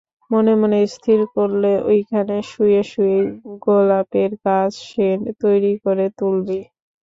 মনে মনে স্থির করলে এইখানে শুয়ে-শুয়েই গোলাপের গাছ সে তৈরি করে তুলবেই।